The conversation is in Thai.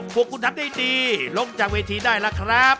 ขอบคุณทัพได้ดีลงจากเวทีได้แล้วครับ